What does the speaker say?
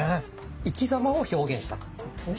生き様を表現したかったんですね。